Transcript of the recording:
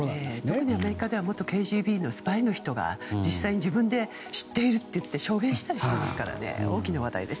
特にアメリカでは元ＫＧＢのスパイの人が知っていると証言したりしていますから大きな話題です。